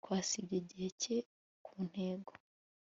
twasibye igihe cye ku ntego